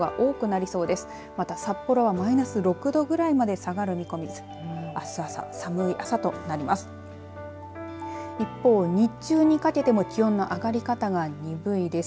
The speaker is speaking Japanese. また札幌はマイナス６度ぐらいまで下がる見込みです。